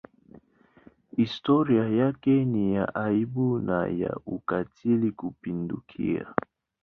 Historia yake ni ya aibu na ya ukatili kupindukia.